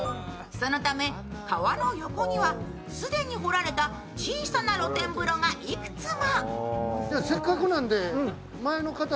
そのため、川の横には既に掘られた小さな露天風呂がいくつも。